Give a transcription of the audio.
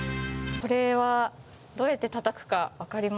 これはどうやって叩くかわかりますか？